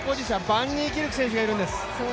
バンニーキルク選手がいるんです。